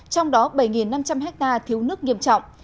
trong đó bảy năm trăm linh ha thiếu nước nghiêm trọng